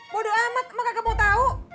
bodo amat mah kakak mau tau